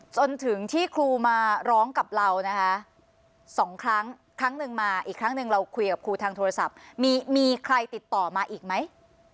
จนถึงที่ครูมาร้องกับเรานะคะสองครั้งครั้งหนึ่งมาอีกครั้งหนึ่งเราคุยกับครูทางโทรศัพท์มีใครติดต่อมาอีกไหม